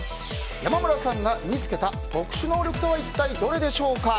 山村さんが身に付けた特殊能力とは一体どれでしょうか。